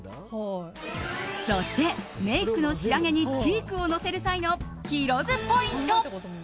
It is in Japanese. そして、メイクの仕上げにチークをのせる際のヒロ’ｓポイント。